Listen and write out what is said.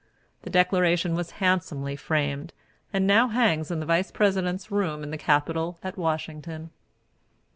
The Declaration was handsomely framed, and now hangs in the Vice President's room in the Capitol at Washington.